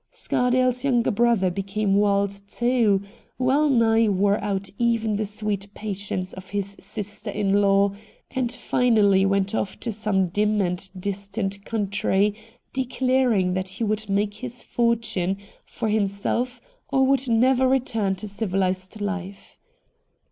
Scardab's young brother became wild too, well nigh wore out even the sweet patience of his sister in law, and finally went off to some dim and distant country, declaring that he would make his fortune for 144 RED DIAMONDS himself, or would never return to civilised life.